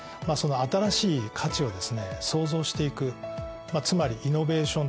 新しい価値をですね創造していくつまりイノベーションと。